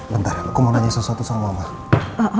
bentar aku mau nanya sesuatu sama mama